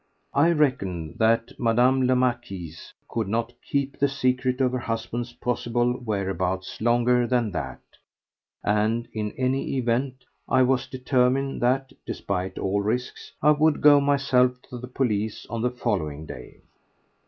I reckoned that Mme. la Marquise could not keep the secret of her husband's possible whereabouts longer than that, and in any event I was determined that, despite all risks, I would go myself to the police on the following day.